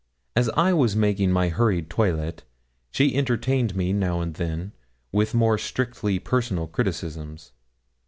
As I was making my hurried toilet, she entertained me now and then with more strictly personal criticisms.